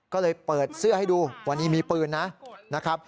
ก็เลยเปิดเสื้อให้ดูวันนี้มีปืนนะครับ